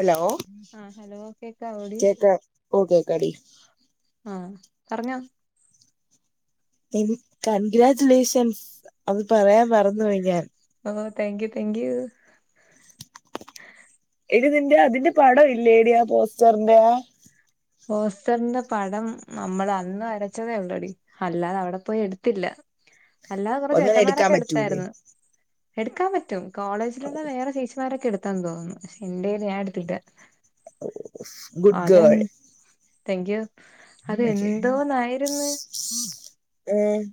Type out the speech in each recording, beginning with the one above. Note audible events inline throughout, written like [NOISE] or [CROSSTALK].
Hello, ആഹ് hello കേക്കാവോടി കേക്ക ഓ കേക്കാടി ആ പറഞ്ഞോ. എനി കൺഗ്രാച്ചുലേഷൻസ് അത് പറയാൻ മറന്നു പോയി ഞാൻ ഓഹ് താങ്ക് യു താങ്ക് യു ഇത് നിന്റെ അതിന്റെ പടം ഇല്ലേടി ആ പോസ്റ്ററിന്റെ പോസ്റ്ററിന്റെ പടം നമ്മൾ അന്ന് വരച്ചതേ ഒള്ളേഡി അല്ലാതെ അവിടെ പോയി എടുത്തില്ല അല്ലാതെ കുറേ ഒന്നിനെ എടുക്കാൻ ചേട്ടന്മാരൊക്കെ പറ്റൂലേ എടുത്തായിരുന്നു എടുക്കാൻ പറ്റും കോളേജിലുള്ള വേറെ ചേച്ചിമാരൊക്കെ എടുത്ത് പത്താം തോന്നുന്നു പശേ ഇണ്ടേനി ഞാൻ എടുത്തില്ല ഗുഡ് അതെ ഗേൾ താങ്ക് യു അത് എന്തോന്നായിരുന്നു ഉം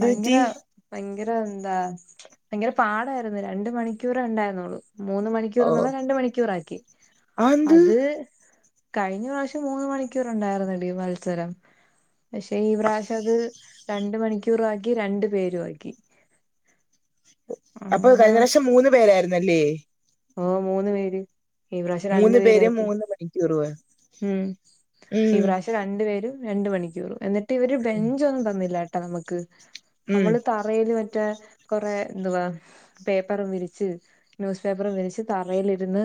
ഭയങ്കര പറ്റി ഭയങ്കര എന്താ ഭയങ്കര പാടായിരുന്നു രണ്ട് മണിക്കൂറേ ഉണ്ടായിര്ന്നുള്ളൂ മൂന്ന് മണി ഓ ക്കൂർ ഉള്ളെ രണ്ട് മണിക്കൂറാക്കി ആന്ത് അത് കഴിഞ്ഞ പ്രാവശ്യം മൂന്ന് മണിക്കൂർ ഉണ്ടായിരുന്നെടി മത്സരം പക്ഷെ ഈ പ്രാവശ്യം അത് രണ്ട് മണിക്കൂറും ആക്കി രണ്ടു പേരും ആക്കി അപ്പൊ അങ്ങനെ കഴിഞ്ഞ പ്രാവശ്യം മൂന്ന് പേരായിുന്നല്ലേ ഓ മൂന്ന് പേര് ഈ പ്രാവശ്യം രണ്ടു പേരാക്കി. മണിക്കുറ് വ ഉം ഈ പ്രയിശ്യം ര രണ്ട് പേരും രണ്ട് മണിക്കൂറ് എന്നിട്ട് ഇവര് ബെഞ്ചൊന്നും തന്നില്ലാട്ടാ നമുക്ക് ഉം നമ്മ തറയില് മറ്റേ കൊറേ എന്തുവാ പേപ്പറും വിരിച്ച് ന്യൂസ് പേപ്പർ വിരിച്ച് തറയിലിരുന്ന്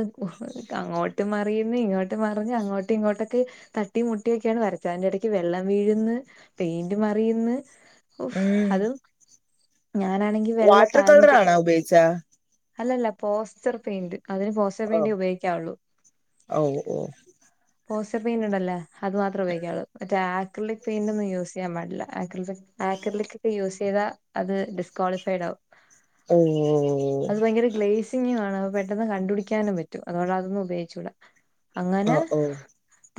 അങ്ങോട്ട് മറിയുന്നു ഇങ്ങോട്ട് മറിഞ്ഞ് അങ്ങോ തട്ടി ഇങ്ങോട്ടൊക്കെ തട്ടി മുട്ടിയൊക്കെയാണ് വരച്ചെ അതിന്റെ ഇടക്ക് വെള്ളം വീഴന്ന് പെയിന്റ് മറിയന്ന് ഉം അതു ഞാനാണെങ്കി വെള്ള വാട്ടർ പാന്റും കളറാണോ ഉപയോഗിച്ചാ അല്ലല്ല പോസ്റ്റർ പെയിന്റ് അതിന് പോസ്റ്റർ ഓ പെയിന്റ് ഉപയോഗിക്കാവുള്ളൂ ഓ ഓ പോസ്റ്റർ പെയിൻ ഉണ്ടല്ലോ അത് മാത്ര ഉപയോഗിക്കുള്ളൂ മറ്റേ ആക്രിലിക് പെയിന്റ് ഒന്നും യൂസ് ക്രിലിക് പെയിന്റൊന്നും യൂസ് ചെയ്യാൻ പാടില്ല ആക്രിലിക് ആക്രിലിക് ഒക്കെ യൂസ് ചെയ്തൽ അത് ഡിസ്ക്വാളിഫൈഡ് ആകും ഓ അത് ഭയങ്കര ഗ്ലേസിംഗു ആണ് അപ്പൊ പെട്ടെന്ന് കണ്ടപിടിക്കാനും പറ്റും അതോണ്ട് അതൊന്നും ഉപയോഗിച്ചൂടാ അങ്ങനെ ഓ ഓ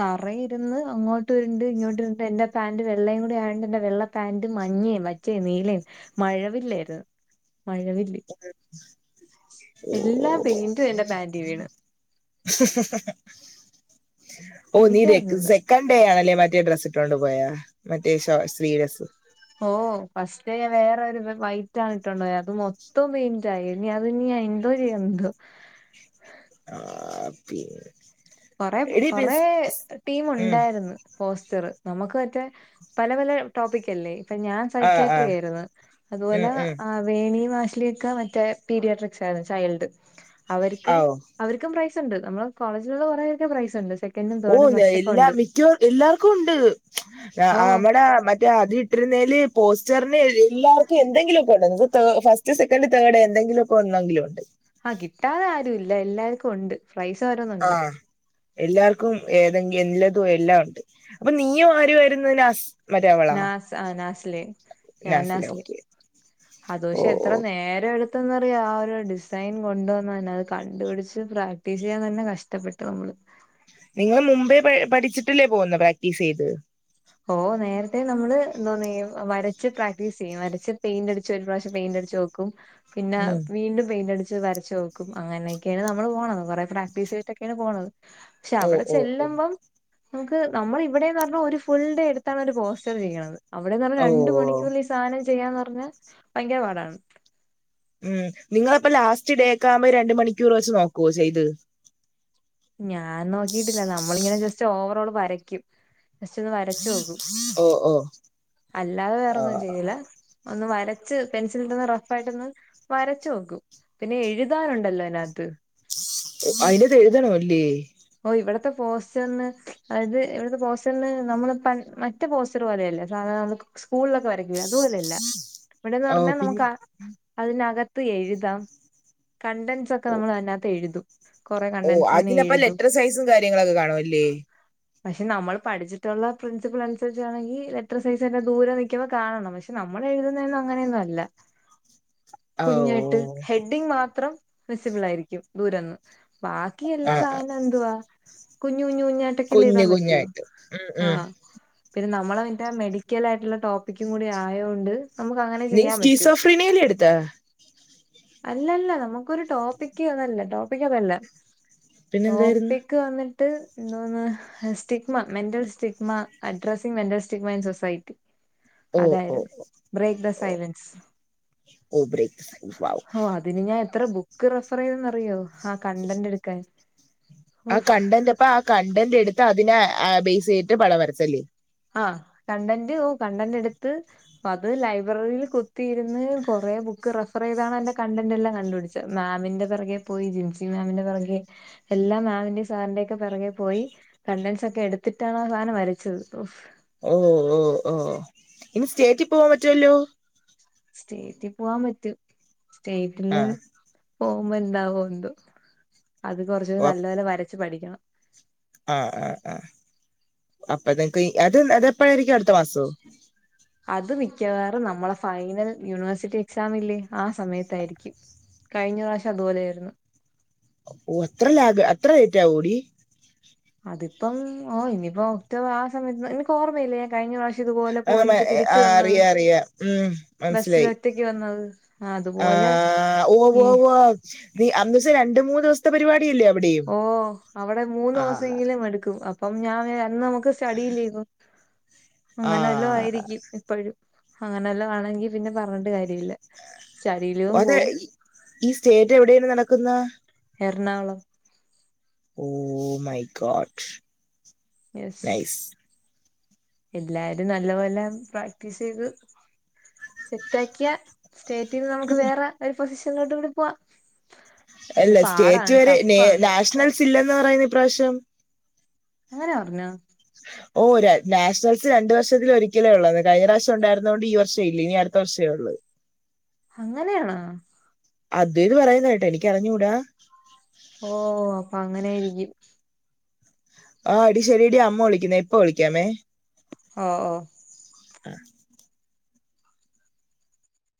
തറയിരുന്ന് അങ്ങോട്ടും ഇരുണ്ട് ഇങ്ങോട്ട ഇരുണ്ട് എന്റെ പാന്റ് വെള്ളയും കൂടി ആണ്ട് എന്റെ വെള്ള പാന്റ് മഞ്ഞേ പച്ചേം നീലേം മഴവില്ലായിരുന്നു മഴവില്ല് എല്ലാ ഓ പെയിന്റും എന്റെ പാന്റി വീണ് നീ രക് എനിക്കറിഞ്ഞൂടാ സെ കണ്ടയാണല്ലേ മറ്റേ ഡ്രസ്സ് ഇട്ടൊണ്ട് പോയാ മറ്റേ ഷൊ സ്ലീവ് ലസ്സ് ഓ ഫസ്റ്റ് ഞാൻ വേറൊരു വൈറ്റ് ആണിട്ടോണ്ട് പോയെ അത് മൊത്തം പെയിൻ റ്റായി അത് നീ എന്തോ ചെയ്യാന്തോ [INAUDIBLE] കൊറെ എടി കൊറേ പിസ് ഉം ടീമൊണ്ടായിര്ന്ന്. പോസ്റ്ററ്. നമക്ക് മറ്റേ പല പല ടോപ്പിക് അല്ലേ ഞാൻ ആ ആ സൈക്യാട്രിയാര്ന്ന് ഉം അതുപോലാ ഉം വേണിയ മാഷിലിയക്ക മറ്റേ പീരിയാഡ്രിക്സ് ആയ്ര്ന്ന് ചൈൽഡ് ആ അവര്ക്കും ഓ അവര്ക്കും പ്രൈസ് ഉണ്ട് നമ്മള് കോളേജിലുള്ള കുറേ പേർക്കും പ്രൈസ് ഒണ്ട് സെക് ഓഹ് എല്ലാ മിക്കവർ എല്ലാർക്കും ഒണ്ട് ഓ നമ്മടാ മറ്റേ അതി രുന്നേല് പോസ്റ്ററിന് എല്ലാർക്കും എന്തെങ്കിലും ഒക്കെ ഒണ്ടന്ന് ഇത് തേ ഫസ്റ്റ് സെക്കൻഡ് തേഡ് എന്തെങ്കിലും ഒന്നെങ്കിലും ഒണ്ട് ആ കിട്ടാതെ ആരുല്ല എല്ലാർക്കും ഒണ്ട് പ്രൈസ് ഓരോന്ന് ഉണ്ട് എല്ലാർക്കും ഏതെങ്കി എല്ലതും എല്ലാ ഒണ്ട് അപ്പൊ നീയും ആരുവായിര്ന്ന് ലാസ്സ് നാസ് ആ നാസിലേ ഞാൻ നാസില നാസ്ലെ ഓക്കെ അത് ഓ പക്ഷെ ഓ എത്ര നേരെട് ത്തെന്നറിയാവാ ഒരു ഡിസൈൻ കൊണ്ടുവന്ന് അത് കണ്ടുപിടിച്ച് പ്രാക്ടീസ് ചെയ്യാൻ തന്നെ കഷ്ടപ്പെട്ടു നമ്മള്. നിങ്ങള് മുമ്പേ പഠിച്ചിട്ടില്ലേ പോകുന്ന പാക്ടീസെയ്ത് ഓ നേരത്തെ നമ്മള് എന്തോന്ന് എയ്യും വരച്ച് പ്രാക്ടീസ്യെയ്യും വരച്ച് പെയിന്റ് അടിച്ച് ഒരു പ്രാവശ്യം പെയിന്റ്ടിച്ച് നോക്കും ക്കും പിന്നാ ഉം വീണ്ടും പെയിന്റ് അടിച്ച് വരച് ച്ചോക്കും അങ്ങനേക്കെയാണ് നമ്മള് പോണത്. കൊറേ പ്രാക്ടീസ് ചെയ്ട്ടൊക്കെയാണ് പോണത്. പക്ഷെ ഓ അവിടെ ഓ ഓ ചെല്ലുമ്പം നമുക്ക് നമ്മള് ഇവിടേന്ന് പറ്ഞ്ഞ ഒരു ഫുൾ ഡേ എടുത്താണ് ഒരു പോസ്റ്റർ ചെയ്യണത്. അവിടേന്ന് പറഞ്ഞാ ഓ രണ്ട് മണിക്കൂറിൽ ഈ സാനം ചെയ്യാന്ന് പറഞ്ഞാൽ ഭയങ്കര പാടാണ്. ഉം നിങ്ങളപ്പ ലാസ്റ്റ് ഡേ ക്കാവുമ്പ രണ്ട് മണിക്കൂർ വെച്ച് നോക്കുവോ ചെയ്ത് ഞാൻ നോക്കിട്ടില്ല നമ്മളിങ്ങനെ ജസ്റ്റ് ഓവറോൾ വരയ്ക്കും ജസ്റ്റ് ഒന്ന് വരച്ചു നോക്കും. ഓ ഓ അല്ലാതെ ആ വേറെന്നും ചെയ്യൂലാ ഒന്ന് വരച്ച് പെൻസിലൊണ്ടൊന്ന് റഫ് ആയിട്ടൊന്ന് വരച്ച് നോക്കും പിന്നെ എഴുതാനൊണ്ടല്ലോ അയ്നാത്ത് അയിനത് എഴുതണവല്ലേ ഓ ഇവിടത്തെ പോസ്റ്റർന് അതായത് ഇവിടുത്തെ പോസ്റ്റർന് നമ്മള് പൺ മറ്റ് പോസ്റ്ററ് പോലെയല്ലേ സാധാ നമക് സ്കൂൾലക്കെ വരക്കൂലേ അതുപോലല്ല ഇവിടെന്ന് ഓ പറഞ്ഞാ പിന്നെ നമുക്ക അതിനകത്ത് എഴുതാം കണ്ടന്റ്സ് ഒക്ക ഓ നമ്മള് അതിനാത്ത് എഴുതും കൊറെ ഓ കണ്ടന്റ്സ് ഇങ്ങനെ അതിനപ്പ എഴുതും ലെറ്റർ സൈസും കാര്യങ്ങളൊക്കെ കാണുവല്ലേ പക്ഷെ നമ്മള് പഠിച്ചിട്ടുള്ള പ്രിൻസിപ്പിൾ അനുസരിച്ചാണെങ്കിൽ ലെറ്റർസൈസ് തന്നെ ദൂരം നിക്കുമ്പോ കാണണം പക്ഷേ നമ്മളെഴുതുന്നേന്നും അങ്ങനെയൊന്നും അല്ല [INAUDIBLE] കുഞ്ഞായിട്ട് ഹെഡിങ് മാത്രം വിസിബിൾ ആയിരിക്കും ദൂരന്ന് ബാക്കി എല്ലാ ആ ആ സാനം എന്തുവാ കുഞ്ഞു കുഞ്ഞു കുഞ്ഞായ്ട്ടക്കല്ലേ കുഞ്ഞ് എഴുതാൻ പറ്റൂ കുഞ്ഞായിട്ട് ഉം ഉം ആഹ്. പിന്നെ നമ്മളതിന്റ മെഡിക്കൽ ആയിട്ടുള്ള ടോപ്പിക്കും കൂടി ആയോണ്ട് നമുക്ക് അങ്ങനെ നീ ചെയ്യാൻ പറ്റൂ സ്കീസഫ്രീന അല്ലെ എടുത്ത അല്ലല്ല നമുക്കൊരു ടോപ്പിക്ക് അതല്ല ടോപ്പിക് അതല്ല പിന്നെന്തായിരുന്നു ടോപ്പക്ക് വന്നിട്ട് എന്തോന്ന് stigma mental stigma addressing mental stigma in society ഓ ഓ അതായിര്ന്ന് ബ്രേക്ക് ദ ഓ സൈലൻസ് ഓ ബ്രേക്ക് [UNINTELLIGIBLE] ഓ അതിന് ഞാൻ എത്ര ബുക്ക് റഫറെയ്തെന്ന് അറിയോ ആ കണ്ടന്റ് എടുക്കാൻ ആ ഓഫ് കണ്ടന്റ് അപ്പാ കണ്ടന്റ് എടുത്ത് അതിനാ ബേസ് ചെയ്ട്ട് പടംവരച്ചല്ലേ. ആഹ് കണ്ടന്റ് ഓ കണ്ടന്റെടുത്ത് അപ്പത് ലൈബ്രറിയിൽ കുത്തിയിരിന്ന് കൊറേ ബുക്ക് റഫറെയ്താണ് അതിന്റെ കണ്ടന്റെല്ലാം കണ്ടുപിടിച്- മാമിന്റെ പിറകെ പോയി ജിൻസി മേമിന്റെ പിറകെ- എല്ലാം മേമിന്റെയും സാറിന്റേക്കെ പിറകെ പോയി കണ്ടൻസൊക്കെ എടുത്തിട്ടാണ് ആ സാനം വരച്ചത്. [UNINTELLIGIBLE] ഓ ഓ ഓ ഇനി സ്റ്റേറ്റിൽ പോവാൻ പറ്റൊല്ലോ സ്റ്റേറ്റിൽ പോവാൻ പറ്റും സ്റ്റേറ്റില് ആ പോകുമ്പോ എന്താവോ എന്തു അത് കൊറച്ച് നല്ലോലെ വരച്ച് പഠിക്കണം ആഹ് ആഹ് ആഹ് അപ്പൊത്തേക്ക് അത് അത് എപ്പഴായിരിക്കും അടുത്ത മാസോ [INAUDIBLE] അത് മിക്കവാറും നമ്മളെ ഫൈനൽ യൂണിവേഴ്സിറ്റി എക്സാമ് ഇല്ലേ ആ സമയത്തായിരിക്കും കഴിഞ്ഞ പ്രാവശ്യം അതുപോലെയായിരുന്നു ഓ അത്ര ലാഗ് അത്ര ലേറ്റ് ആവോടി അതിപ്പം ഓ ഇനിയിപ്പോ ഒക്ടോബർ ആ സയത്ത് നിനക്ക് ഓർമയില്ലേ കഴിഞ്ഞ പ്രാവശ്യം ഇതുപോലെ ആഹ് പോയിട്ട് തിരിച്ച് വന്നത് അറിയാം അറിയാം ഉം ബസിൽ മനസ്സിലായി ഒറ്റക്ക് വന്നത് അതുപോലെ ആഹ് ഉവ്വ് ഈ ഉവ്വ് ഉവ്വ് അന്ന് രണ്ട് മൂന്ന് ദിവസത്തെ പരിപാ [UNINTELLIGIBLE] യില്ലേ അവിടെ ഓ അവിടെ മൂന്ന് ദിവസമങ്കിലും എടുക്കും അപ്പം ഞാൻ അന്ന് നമുക്ക് സ്റ്റിടി ലീവ് അങ്ങനെെവല്ലോ ആഹ് ആയിരിക്കും ഇപ്പഴും അങ്ങനെ എല്ല ആണെങ്കിൽ പിന്നെ പർഞ്ഞിട്ട് കാര്യല്ല അതെ ഈ സ്റ്റേറ്റ് എവിടെയാണ് നടക്കുന്നാ Ernakulam oh my god yes nice എല്ലാരും നല്ല പോലെ പ്രാക്ടീസ് ചെയ്തു സെറ്റ് ആക്കിയാ സ്റ്റേറ്റിന്ന് നമുക്ക് വേറെ ഒരു പൊസിഷനിലോട്ട് കൂടി പോവാ പക്ഷെ അല്ല സ്റ്റേറ്റ് പാടാണ് വരെ ടഫാണ് നാഷണൽസ് ഇല്ലന്ന് പറയുന്നു ഇപ്രാവശ്യം അങ്ങനെ പറഞ്ഞോ [INAUDIBLE] ഓഹ് നാഷണൽസ് രണ്ട് വർഷത്തിൽ ഒരിക്കലേ ഉള്ളന്ന് കഴിഞ്ഞ പ്രാവശ്യമുണ്ടായിരുന്നോണ്ട് ഈ വർഷം ഇല്ല ഇനി അടുത്ത വർഷേ ഒള്ളു അങ്ങനെയാണോ അദ്യുയ്ത് പറയുന്നെ കേട്ട് എനിക്ക് അറിഞ്ഞൂടാ ഓ അപ്പൊ അങ്ങനെയായിരിക്കും ആ അടി ശെരിയടി അമ്മ വിളിക്കുന്നേ ഇപ്പൊ വിളിക്കാമേ ആഹ് ഓ